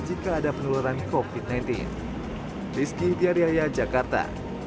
jika ada penularan covid sembilan belas rizky di area jakarta